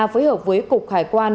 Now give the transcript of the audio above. phối hợp với cục hải quan